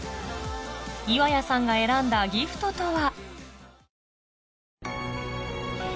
岩谷さんが選んだギフトとは？